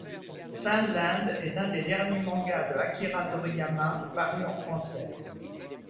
Sand Land est un des derniers mangas de Akira Toriyama paru en français.